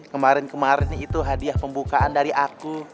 kemarin kemarin itu hadiah pembukaan dari aku